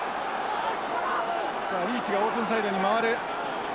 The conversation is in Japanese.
さあリーチがオープンサイドに回る。